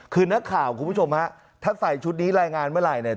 คือนักข่าวคุณผู้ชมฮะถ้าใส่ชุดนี้รายงานเมื่อไหร่เนี่ย